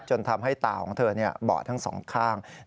จนทำให้ตาของเธอบอดทั้งสองข้าง